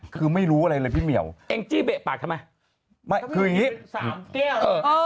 คือไม่รู้อะไรเลยพี่เหมียวเองจี้เบะปากทำไมไม่คืออย่างงี้สามเกี้ยวเออ